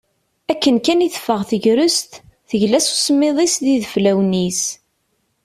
Akken kan i teffeɣ tegrest, tegla s usemmiḍ-is d yideflawen-is.